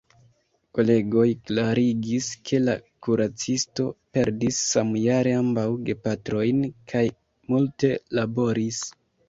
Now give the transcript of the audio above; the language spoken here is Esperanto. Kolegoj klarigis ke la kuracisto perdis samjare ambaŭ gepatrojn kaj multe laboris.